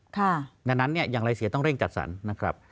ดังนั้นอย่างไรเสียต้องเร่งจัดสรร